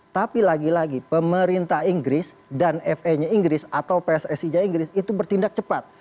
tapi lagi lagi pemerintah inggris dan fa nya inggris atau pssi nya inggris itu bertindak cepat